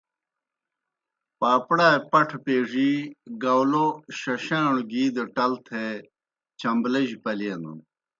پاپڑائے پٹھہ پیزِی، گاؤلو ششاݨوْ گِی دہ ٹل تھے چݩبلِجیْ پلینَن۔